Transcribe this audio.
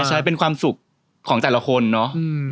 ใช่เป็นความสุขของแต่ละคนเนาะ